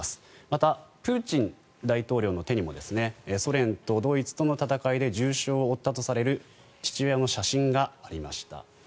また、プーチン大統領の手にもソ連とドイツとの戦いで重傷を負ったとされる父親の写真がありました。